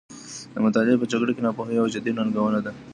د مطالعې په جګړه کې، ناپوهي یوه جدي ننګونه ده.